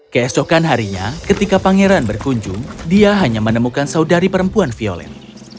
keesokan harinya ketika pangeran berkunjung dia hanya menemukan saudari perempuan violen